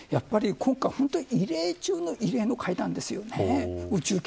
今回は異例中の異例の会談です。